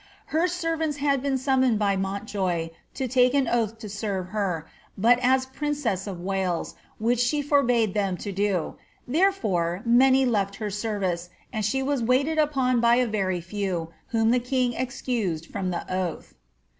Her servants had been summoned by Montjoy to take an oath to serve her, but as princess of Wales, which she forbade them to do; therefore many left her service, and she was waited upon by a very few, whom the kiog excused from the oath.